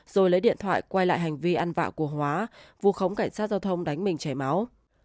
rồi lấy điện thoại quay lại hành vi ăn vạ của hóa vu khống cảnh sát giao thông đánh mình chảy máu